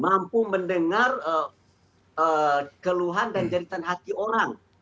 mampu mendengar keluhan dan jeritan hati orang